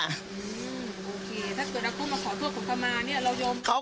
อืมโอเคถ้าสุดนักภูมิมาขอโทษของคำมาเนี่ยเรายอม